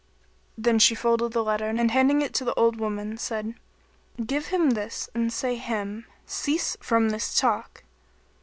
Then she folded the letter and handing it to the old woman said, "Give him this and say him, 'Cease from this talk!'